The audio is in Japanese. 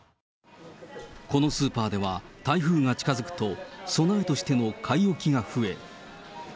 このスーパーでは、台風が近づくと、備えとしての買い置きが増え。